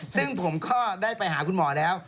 ซึ่งผมก็ได้ไปหาคุณหมอแล้ว